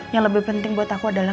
yang lebih penting buat aku adalah